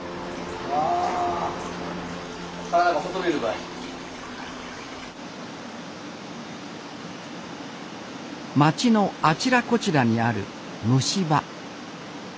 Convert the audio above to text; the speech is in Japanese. あ町のあちらこちらにある蒸し場。